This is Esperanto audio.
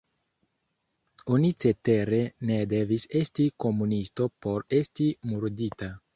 Oni cetere ne devis estis komunisto por esti murdita.